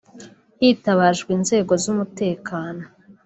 hitabajwe inzego z’umutekano